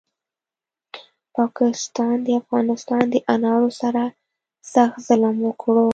پاکستاد د افغانستان دانارو سره سخت ظلم وکړو